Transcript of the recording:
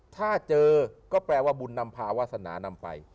ถ้าเจอก็แปลว่าบุญนำพาวาสนานำไป